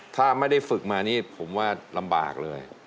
ถ้าไม่ได้ฝึกมานี่ผมว่าลำบากเลย